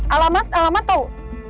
alamat alamat tau